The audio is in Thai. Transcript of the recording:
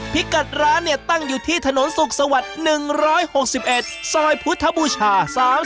พิกัดร้านเนี่ยตั้งอยู่ที่ถนนสุขสวัสดิ์๑๖๑ซอยพุทธบูชา๓๔